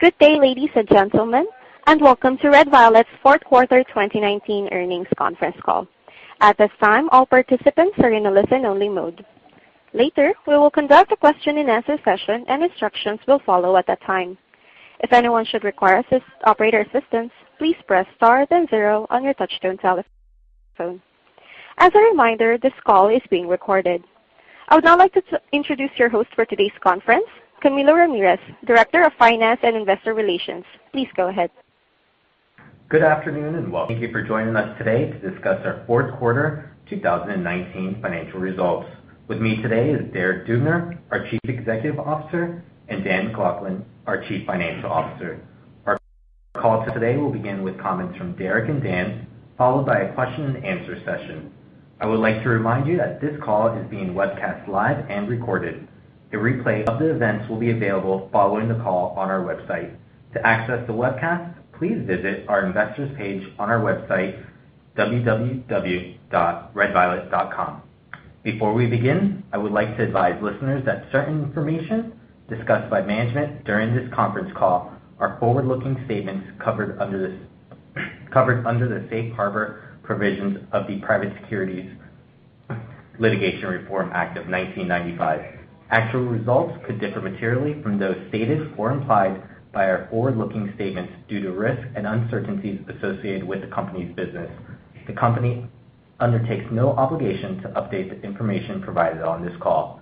Good day, ladies and gentlemen, and welcome to Red Violet's fourth quarter 2019 earnings conference call. At this time, all participants are in a listen-only mode. Later, we will conduct a question-and-answer session, and instructions will follow at that time. If anyone should require operator assistance, please press star then zero on your touch-tone telephone. As a reminder, this call is being recorded. I would now like to introduce your host for today's conference, Camilo Ramirez, Director of Finance and Investor Relations. Please go ahead. Good afternoon. Thank you for joining us today to discuss our fourth quarter 2019 financial results. With me today is Derek Dubner, our Chief Executive Officer, and Dan MacLachlan, our Chief Financial Officer. Our call today will begin with comments from Derek and Dan, followed by a question-and-answer session. I would like to remind you that this call is being webcast live and recorded. A replay of the events will be available following the call on our website. To access the webcast, please visit our investor's page on our website, www.redviolet.com. Before we begin, I would like to advise listeners that certain information discussed by management during this conference call are forward-looking statements covered under the Safe Harbor Provisions of the Private Securities Litigation Reform Act of 1995. Actual results could differ materially from those stated or implied by our forward-looking statements due to risks and uncertainties associated with the company's business. The company undertakes no obligation to update the information provided on this call.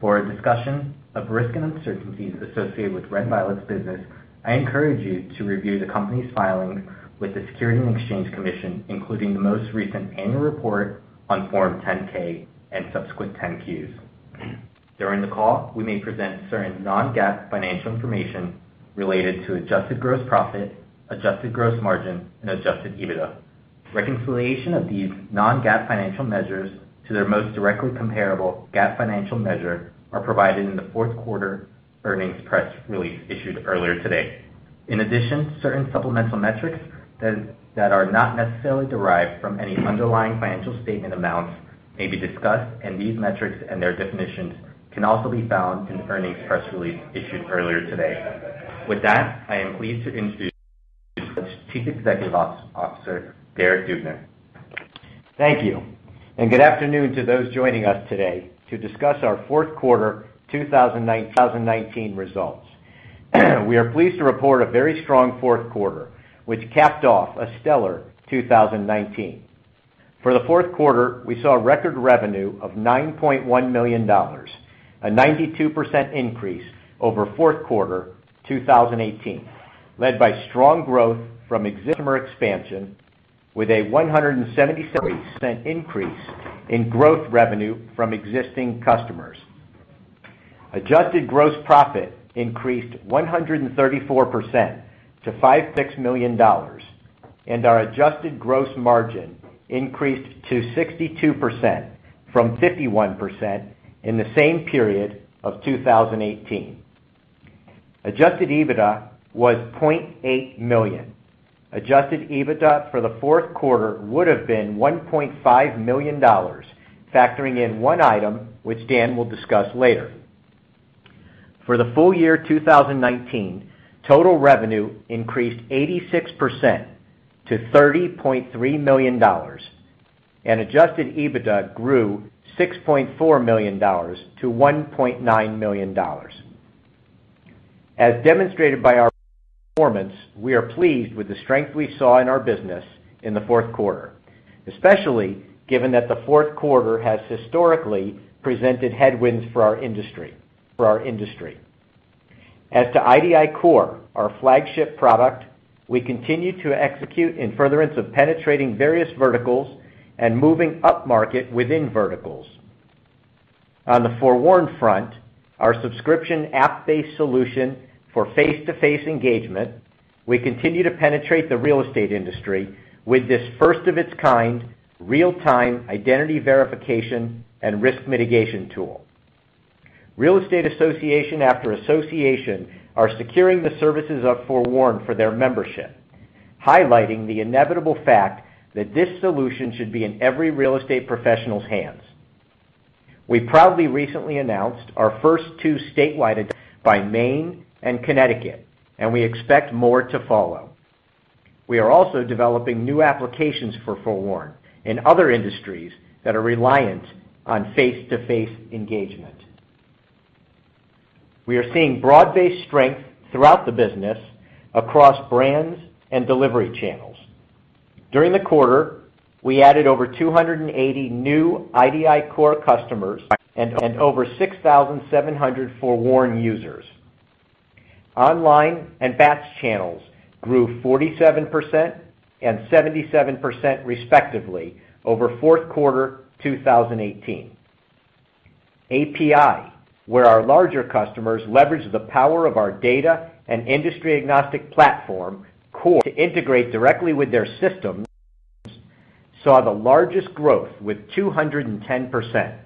For a discussion of risks and uncertainties associated with Red Violet's business, I encourage you to review the company's filing with the Securities and Exchange Commission, including the most recent annual report on Form 10-K and subsequent 10-Qs. During the call, we may present certain non-GAAP financial information related to adjusted gross profit, adjusted gross margin, and adjusted EBITDA. Reconciliation of these non-GAAP financial measures to their most directly comparable GAAP financial measure are provided in the fourth quarter earnings press release issued earlier today. In addition, certain supplemental metrics that are not necessarily derived from any underlying financial statement amounts may be discussed, and these metrics and their definitions can also be found in the earnings press release issued earlier today. With that, I am pleased to introduce Chief Executive Officer, Derek Dubner. Thank you. Good afternoon to those joining us today to discuss our fourth quarter 2019 results. We are pleased to report a very strong fourth quarter, which capped off a stellar 2019. For the fourth quarter, we saw record revenue of $9.1 million, a 92% increase over fourth quarter 2018, led by strong growth from customer expansion, with a 177% increase in growth revenue from existing customers. Adjusted gross profit increased 134% to $5.6 million, and our adjusted gross margin increased to 62% from 51% in the same period of 2018. Adjusted EBITDA was $0.8 million. Adjusted EBITDA for the fourth quarter would've been $1.5 million, factoring in one item which Dan will discuss later. For the full year 2019, total revenue increased 86% to $30.3 million, and adjusted EBITDA grew $6.4 million-$1.9 million. As demonstrated by our performance, we are pleased with the strength we saw in our business in the fourth quarter, especially given that the fourth quarter has historically presented headwinds for our industry. As to idiCORE, our flagship product, we continue to execute in furtherance of penetrating various verticals and moving upmarket within verticals. On the FOREWARN front, our subscription app-based solution for face-to-face engagement, we continue to penetrate the real estate industry with this first of its kind, real-time identity verification and risk mitigation tool. Real estate association after association are securing the services of FOREWARN for their membership, highlighting the inevitable fact that this solution should be in every real estate professional's hands. We proudly recently announced our first two statewide adoptions by Maine and Connecticut, and we expect more to follow. We are also developing new applications for FOREWARN in other industries that are reliant on face-to-face engagement. We are seeing broad-based strength throughout the business across brands and delivery channels. During the quarter, we added over 280 new idiCORE customers and over 6,700 FOREWARN users. Online and batch channels grew 47% and 77%, respectively, over fourth quarter 2018. API, where our larger customers leverage the power of our data and industry-agnostic platform, CORE, to integrate directly with their systems, saw the largest growth with 210%.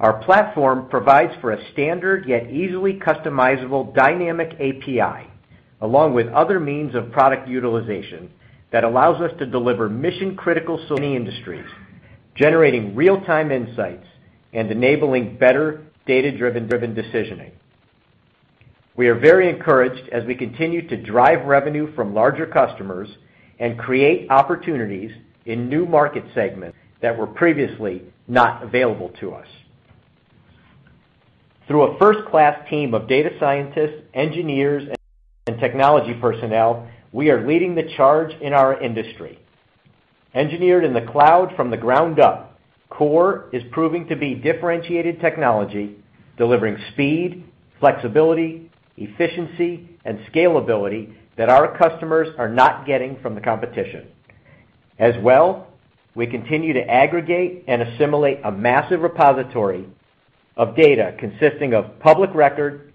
Our platform provides for a standard, yet easily customizable dynamic API. Along with other means of product utilization that allows us to deliver mission-critical solutions in many industries, generating real-time insights and enabling better data-driven decisioning. We are very encouraged as we continue to drive revenue from larger customers and create opportunities in new market segments that were previously not available to us. Through a first-class team of data scientists, engineers, and technology personnel, we are leading the charge in our industry. Engineered in the cloud from the ground up, CORE is proving to be differentiated technology, delivering speed, flexibility, efficiency, and scalability that our customers are not getting from the competition. We continue to aggregate and assimilate a massive repository of data consisting of public record,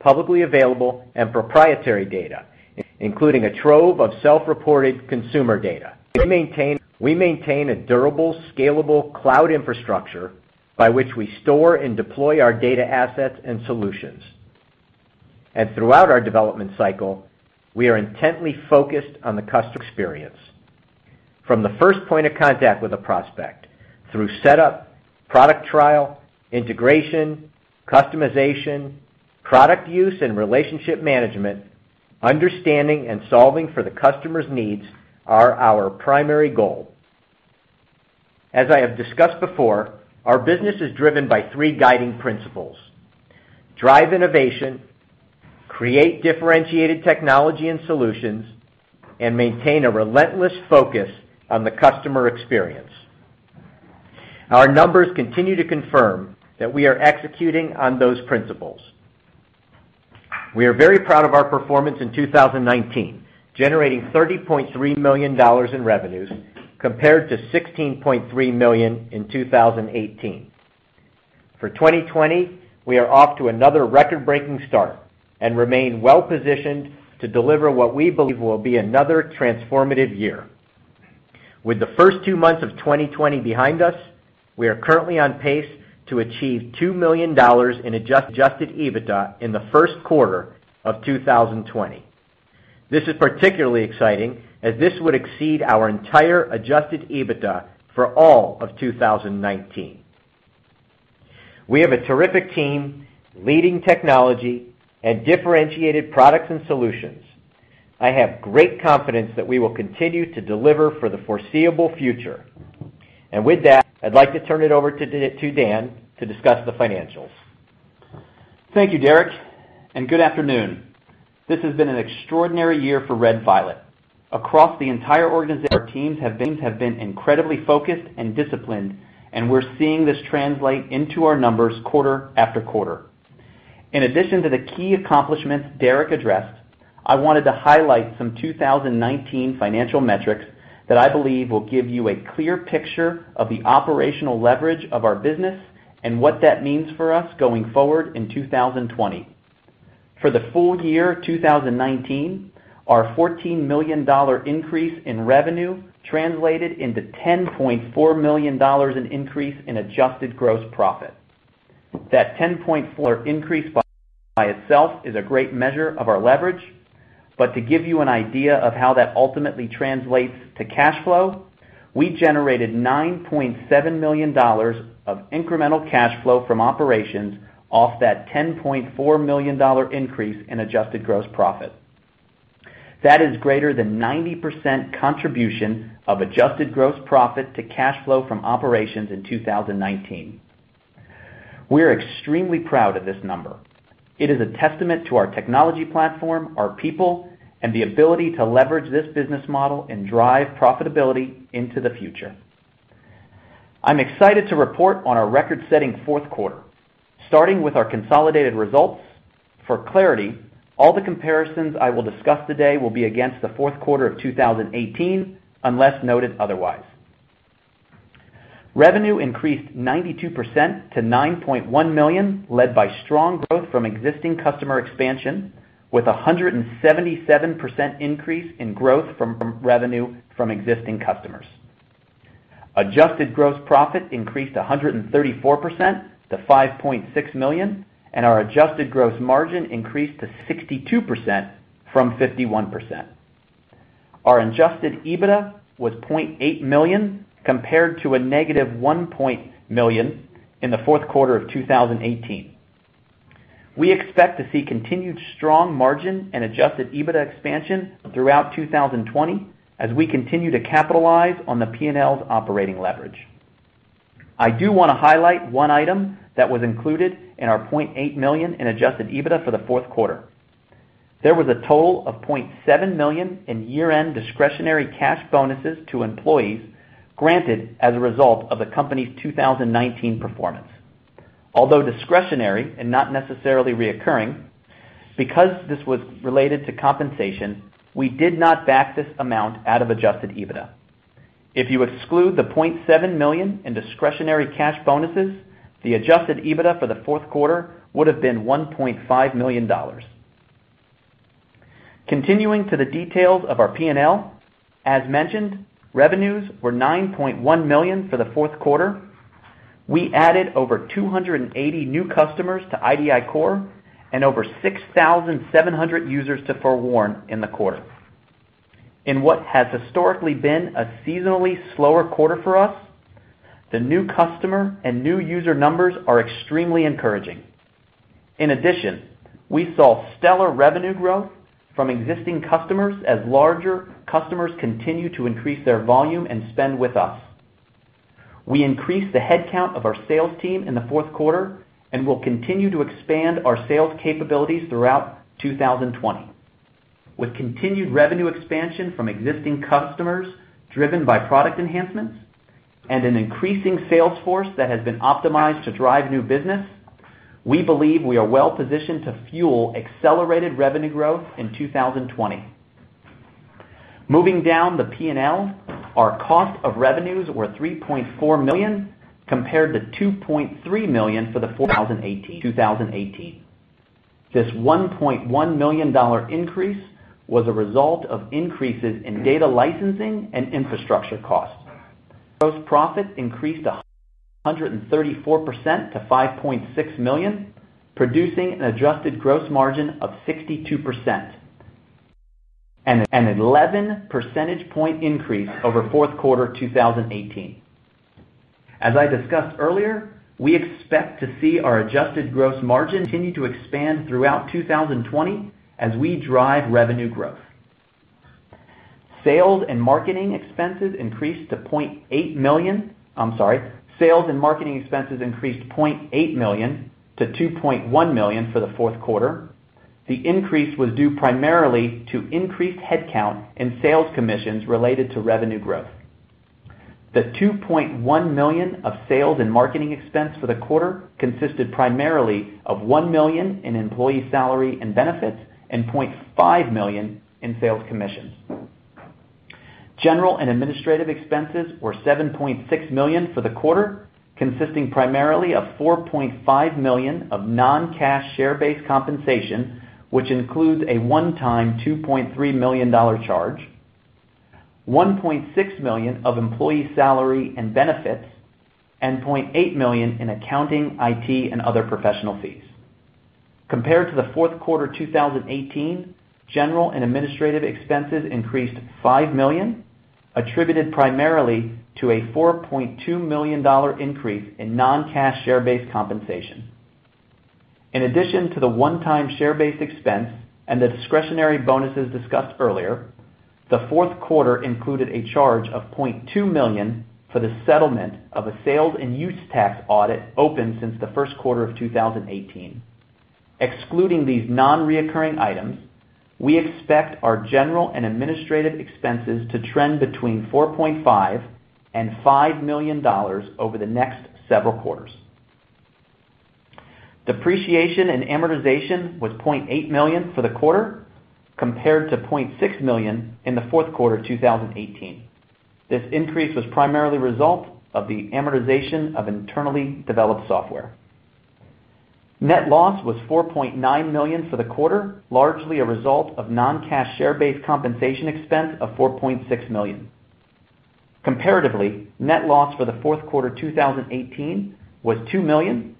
publicly available, and proprietary data, including a trove of self-reported consumer data. We maintain a durable, scalable cloud infrastructure by which we store and deploy our data assets and solutions. Throughout our development cycle, we are intently focused on the customer experience. From the first point of contact with a prospect through setup, product trial, integration, customization, product use, and relationship management, understanding and solving for the customer's needs are our primary goal. As I have discussed before, our business is driven by three guiding principles: drive innovation, create differentiated technology and solutions, and maintain a relentless focus on the customer experience. Our numbers continue to confirm that we are executing on those principles. We are very proud of our performance in 2019, generating $30.3 million in revenues compared to $16.3 million in 2018. For 2020, we are off to another record-breaking start and remain well-positioned to deliver what we believe will be another transformative year. With the first two months of 2020 behind us, we are currently on pace to achieve $2 million in adjusted EBITDA in the first quarter of 2020. This is particularly exciting as this would exceed our entire adjusted EBITDA for all of 2019. We have a terrific team, leading technology, and differentiated products and solutions. I have great confidence that we will continue to deliver for the foreseeable future. With that, I'd like to turn it over to Dan to discuss the financials. Thank you, Derek, and good afternoon. This has been an extraordinary year for Red Violet. Across the entire organization, our teams have been incredibly focused and disciplined, and we're seeing this translate into our numbers quarter after quarter. In addition to the key accomplishments Derek addressed, I wanted to highlight some 2019 financial metrics that I believe will give you a clear picture of the operational leverage of our business and what that means for us going forward in 2020. For the full year 2019, our $14 million increase in revenue translated into $10.4 million in increase in adjusted gross profit. That $10.4 increase by itself is a great measure of our leverage, but to give you an idea of how that ultimately translates to cash flow, we generated $9.7 million of incremental cash flow from operations off that $10.4 million increase in adjusted gross profit. That is greater than 90% contribution of adjusted gross profit to cash flow from operations in 2019. We are extremely proud of this number. It is a testament to our technology platform, our people, and the ability to leverage this business model and drive profitability into the future. I'm excited to report on our record-setting fourth quarter, starting with our consolidated results. For clarity, all the comparisons I will discuss today will be against the fourth quarter of 2018, unless noted otherwise. Revenue increased 92% to $9.1 million, led by strong growth from existing customer expansion, with 177% increase in growth from revenue from existing customers. Adjusted gross profit increased 134% to $5.6 million, and our adjusted gross margin increased to 62% from 51%. Our adjusted EBITDA was $0.8 million, compared to a -$1 million in the fourth quarter of 2018. We expect to see continued strong margin and adjusted EBITDA expansion throughout 2020 as we continue to capitalize on the P&L's operating leverage. I do want to highlight one item that was included in our $0.8 million in adjusted EBITDA for the fourth quarter. There was a total of $0.7 million in year-end discretionary cash bonuses to employees granted as a result of the company's 2019 performance. Although discretionary and not necessarily reoccurring, because this was related to compensation, we did not back this amount out of adjusted EBITDA. If you exclude the $0.7 million in discretionary cash bonuses, the adjusted EBITDA for the fourth quarter would have been $1.5 million. Continuing to the details of our P&L, as mentioned, revenues were $9.1 million for the fourth quarter. We added over 280 new customers to idiCORE and over 6,700 users to FOREWARN in the quarter. In what has historically been a seasonally slower quarter for us, the new customer and new user numbers are extremely encouraging. In addition, we saw stellar revenue growth from existing customers as larger customers continue to increase their volume and spend with us. We increased the headcount of our sales team in the fourth quarter and will continue to expand our sales capabilities throughout 2020. With continued revenue expansion from existing customers driven by product enhancements and an increasing sales force that has been optimized to drive new business, we believe we are well-positioned to fuel accelerated revenue growth in 2020. Moving down the P&L, our cost of revenues were $3.4 million compared to $2.3 million for the fourth quarter 2018. This $1.1 million increase was a result of increases in data licensing and infrastructure costs. Gross profit increased 134% to $5.6 million, producing an adjusted gross margin of 62%, an 11 percentage point increase over fourth quarter 2018. As I discussed earlier, we expect to see our adjusted gross margin continue to expand throughout 2020 as we drive revenue growth. Sales and marketing expenses increased $0.8 million-$2.1 million for the fourth quarter. The increase was due primarily to increased headcount and sales commissions related to revenue growth. The $2.1 million of sales and marketing expense for the quarter consisted primarily of $1 million in employee salary and benefits and $0.5 million in sales commissions. General and administrative expenses were $7.6 million for the quarter, consisting primarily of $4.5 million of non-cash share-based compensation, which includes a one-time $2.3 million charge, $1.6 million of employee salary and benefits, and $0.8 million in accounting, IT, and other professional fees. Compared to the fourth quarter 2018, general and administrative expenses increased $5 million, attributed primarily to a $4.2 million increase in non-cash share-based compensation. In addition to the one-time share-based expense and the discretionary bonuses discussed earlier, the fourth quarter included a charge of $0.2 million for the settlement of a sales and use tax audit opened since the first quarter of 2018. Excluding these non-recurring items, we expect our general and administrative expenses to trend between $4.5 million and $5 million over the next several quarters. Depreciation and amortization was $0.8 million for the quarter, compared to $0.6 million in the fourth quarter 2018. This increase was primarily a result of the amortization of internally developed software. Net loss was $4.9 million for the quarter, largely a result of non-cash share-based compensation expense of $4.6 million. Comparatively, net loss for the fourth quarter 2018 was $2 million,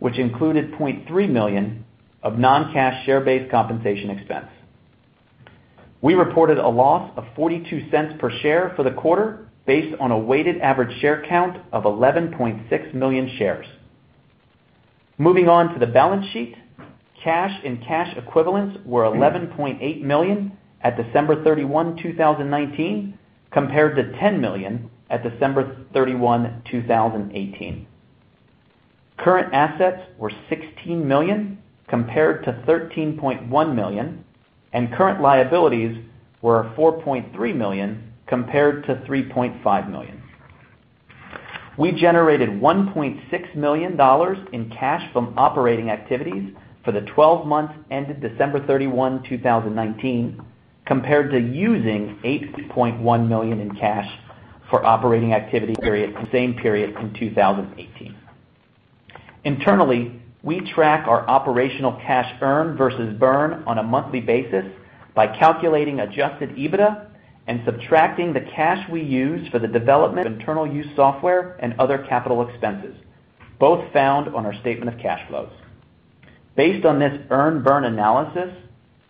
which included $0.3 million of non-cash share-based compensation expense. We reported a loss of $0.42 per share for the quarter based on a weighted average share count of 11.6 million shares. Moving on to the balance sheet, cash and cash equivalents were $11.8 million at December 31, 2019 compared to $10 million at December 31, 2018. Current assets were $16 million compared to $13.1 million, and current liabilities were $4.3 million compared to $3.5 million. We generated $1.6 million in cash from operating activities for the 12 months ended December 31, 2019 compared to using $8.1 million in cash for operating activity period the same period in 2018. Internally, we track our operational cash earn versus burn on a monthly basis by calculating adjusted EBITDA and subtracting the cash we use for the development of internal use software and other capital expenses, both found on our Statement of Cash Flows. Based on this earn-burn analysis,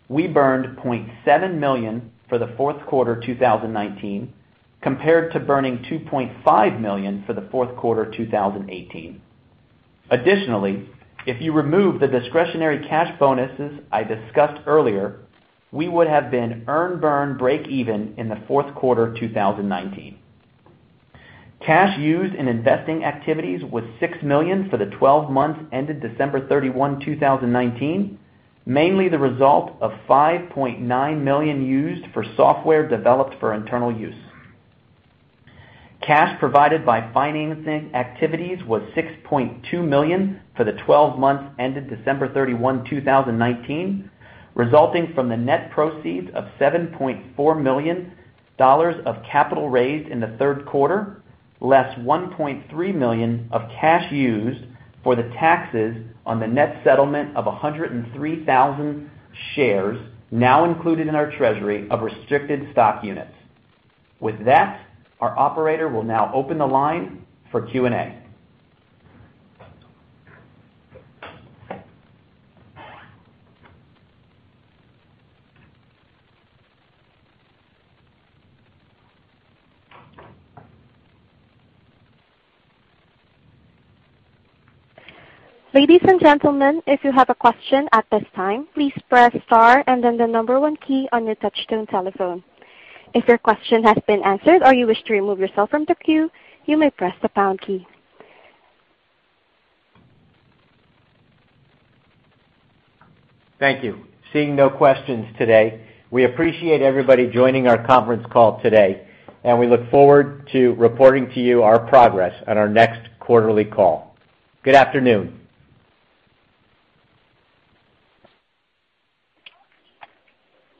we burned $0.7 million for the fourth quarter 2019 compared to burning $2.5 million for the fourth quarter 2018. Additionally, if you remove the discretionary cash bonuses I discussed earlier, we would have been earn-burn break even in the fourth quarter 2019. Cash used in investing activities was $6 million for the 12 months ended December 31, 2019, mainly the result of $5.9 million used for software developed for internal use. Cash provided by financing activities was $6.2 million for the 12 months ended December 31, 2019, resulting from the net proceeds of $7.4 million of capital raised in the third quarter, less $1.3 million of cash used for the taxes on the net settlement of 103,000 shares now included in our treasury of restricted stock units. With that, our operator will now open the line for Q&A. Ladies and gentlemen, if you have a question at this time, please press star and then the number one key on your touchtone telephone. If your question has been answered or you wish to remove yourself from the queue, you may press the pound key. Thank you. Seeing no questions today, we appreciate everybody joining our conference call today, and we look forward to reporting to you our progress on our next quarterly call. Good afternoon.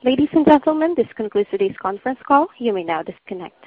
Ladies and gentlemen, this concludes today's conference call. You may now disconnect.